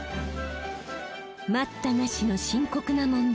待ったなしの深刻な問題